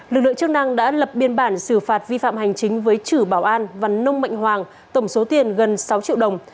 lực lượng chức năng đã lập biên bản xử phạt vi phạm hành chính với chử bảo an và nông mạnh hoàng tổng số tiền gần sáu triệu đồng